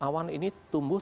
awan ini tumbuh